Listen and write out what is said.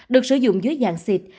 được sử dụng dưới dạng xịt